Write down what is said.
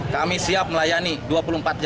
kami siap melayani dua puluh empat jam